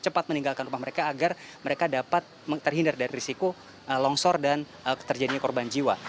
mereka meninggalkan rumah mereka agar mereka dapat terhindar dari risiko longsor dan terjadinya korban jiwa